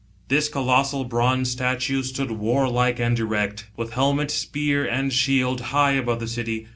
This colossal bronze statue stood warlike and erect, with helmet, spear, and shield, high above the city.